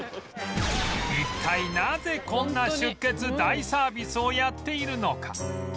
一体なぜこんな出血大サービスをやっているのか